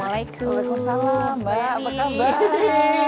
waalaikumsalam mbak apa kabar